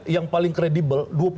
yang paling kredibel